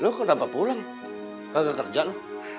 lo kenapa pulang gak kerja lo